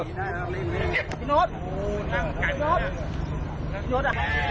พี่โน๊ตพี่โน๊ต